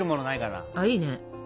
あいいね。